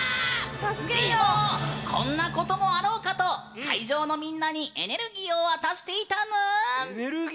でも、こんなこともあろうかと会場のみんなにエネルギーを渡していたぬん！